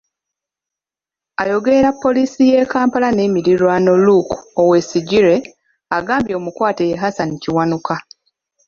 Ayogerera Poliisi ya Kampala n'emirirwano Luke Owoyesigyire agambye omukwate ye Hassan Kiwanuka.